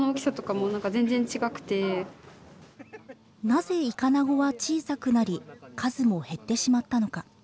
なぜ、イカナゴは小さくなり数も減ってしまったのか。